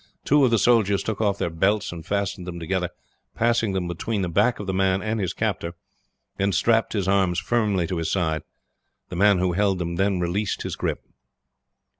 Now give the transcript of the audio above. Two of the soldiers took off their belts and fastened them together, passed them between the back of the man and his captor, and then strapped his arms firmly to his side. The man who held them then released his grip.